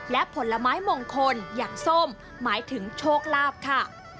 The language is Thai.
และผลไม้มงคลอย่างส้มหมายถึงโชคลาภค่ะ